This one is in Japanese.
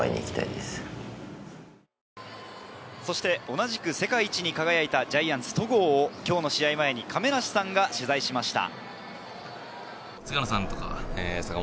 同じく世界一に輝いたジャイアンツ・戸郷を、今日の試合前に亀梨さんが取材しました。